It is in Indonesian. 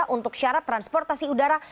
sebagai syarat transportasi udara